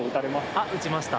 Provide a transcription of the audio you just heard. あっ、打ちました。